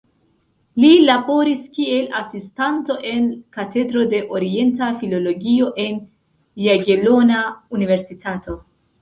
Li laboris kiel asistanto en Katedro de Orienta Filologio en Jagelona Universitato.